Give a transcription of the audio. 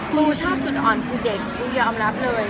กูชอบจุดอ่อนคือเด็กปูยอมรับเลย